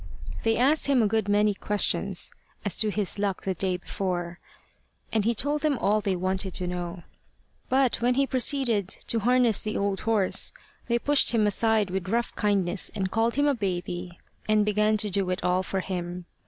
They asked him a good many questions as to his luck the day before, and he told them all they wanted to know. But when he proceeded to harness the old horse, they pushed him aside with rough kindness, called him a baby, and began to do it all for him.